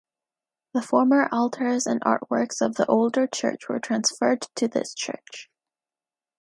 The former altars and artworks of the older church were transferred to this church.